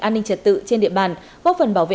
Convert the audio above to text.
an ninh trật tự trên địa bàn góp phần bảo vệ